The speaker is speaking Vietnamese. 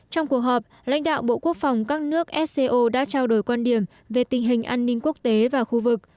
trong cuộc họp lãnh đạo bộ quốc phòng các nước sco đã trao đổi quan điểm về tình hình an ninh quốc tế và khu vực